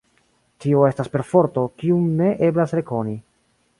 Tio estas perforto, kiun ne eblas rekoni.